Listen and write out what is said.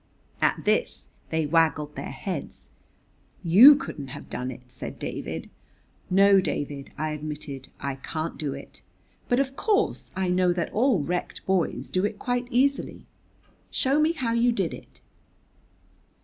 At this they waggled their heads. "You couldn't have done it!" said David. "No, David," I admitted, "I can't do it, but of course I know that all wrecked boys do it quite easily. Show me how you did it."